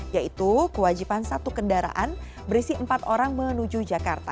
yaitu kewajiban satu kendaraan berisi empat orang menuju jakarta